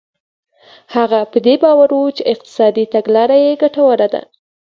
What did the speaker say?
هغه په دې باور و چې اقتصادي تګلاره یې ګټوره ده.